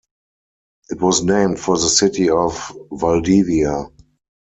It was named for the city of Valdivia.